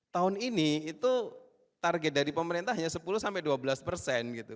tahun ini itu target dari pemerintahnya sepuluh dua belas gitu